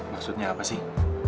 maksudnya apa sih